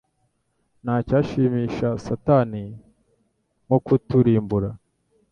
Nta cyashimisha Satani nko kuturimbura